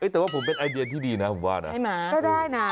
แต่ว่าผมเป็นไอเดียที่ดีนะผมว่านะก็ได้นะ